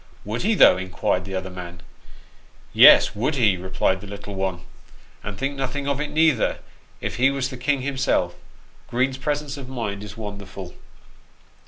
" Would he, though ?" inquired the other man. " Yes, would he," replied the little one, " and think nothing of it, neither, if he was the king himself. Green's presence of mind is wonderful."